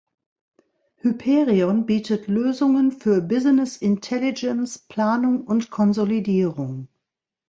Hyperion bietet Lösungen für Business Intelligence, Planung und Konsolidierung.